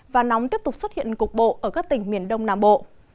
và nóng tiếp tục xuất hiện cục bộ ở các tỉnh miền đông nam bộ